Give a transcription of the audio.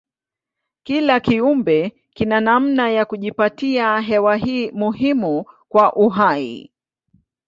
Kila kiumbe kina namna ya kujipatia hewa hii muhimu kwa uhai.